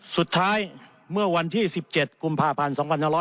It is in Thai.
สุดท้ายเมื่อวันที่๑๗กุมภาพันธ์๒๕๖๐